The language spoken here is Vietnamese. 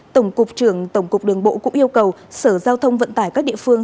tổng cục trưởng tổng cục đường bộ cũng yêu cầu sở giao thông vận tải các địa phương